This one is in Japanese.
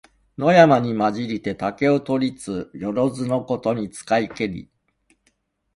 野山にまじりて竹を取りつ、よろづのことに使いけり。